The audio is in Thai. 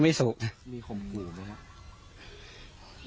มีคนปลูกไหมครับ